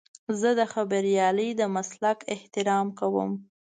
زه د خبریالۍ د مسلک احترام کوم.